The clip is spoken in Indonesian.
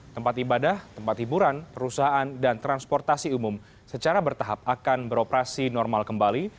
tempat ibadah tempat hiburan perusahaan dan transportasi umum secara bertahap akan beroperasi normal kembali